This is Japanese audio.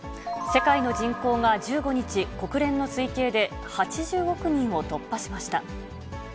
世界の人口が１５日、国連の推計で８０億人を突破しました。